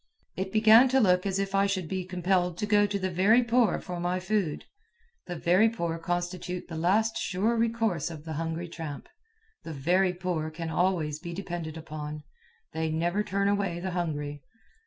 It began to look as if I should be compelled to go to the very poor for my food. The very poor constitute the last sure recourse of the hungry tramp. The very poor can always be depended upon. They never turn away the hungry.